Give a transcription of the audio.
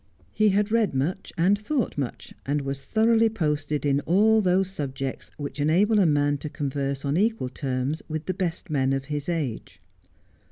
He had read much, and thought much, and was thoroughly posted in all those subjects which enable a man to converse on equal terms with the best men of his age.